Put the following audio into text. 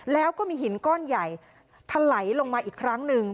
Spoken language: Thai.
แล้วก็มีหินก้อนใหญ่ทะไหลลงมาอีกครั้งหนึ่ง